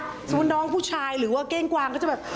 สมมติว่าน้องผู้ชายอู๋แก้งกวางก็จะแบบ